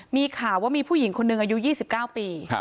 มีข่าวว่ามีผู้หญิงคนหนึ่งอายุ๒๙ปี